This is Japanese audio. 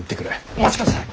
お待ちください！